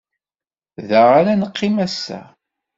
Da ara neqqim ass-a.